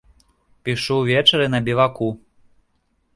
Пішу ўвечары на біваку.